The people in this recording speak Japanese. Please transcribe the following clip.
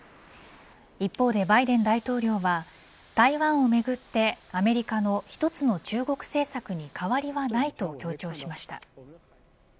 一方でバイデン大統領は台湾をめぐってアメリカの一つの中国政策に変わりはないと強調しました。